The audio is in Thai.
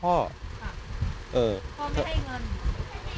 พ่อไม่ให้เงิน